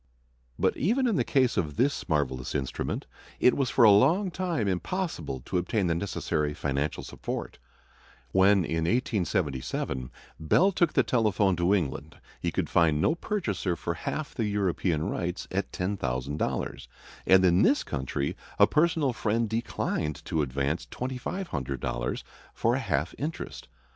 But even in the case of this marvelous instrument it was for a long time impossible to obtain the necessary financial support. When, in 1877, Bell took the telephone to England, he could find no purchaser for half the European rights at $10,000, and in this country a personal friend declined to advance $2,500 for a half interest.